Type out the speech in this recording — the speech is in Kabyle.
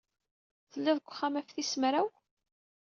Telliḍ deg wexxam ɣef tis mraw?